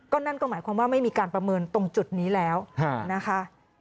นั่นก็หมายความว่าไม่มีการประเมินตรงจุดนี้แล้วนะคะ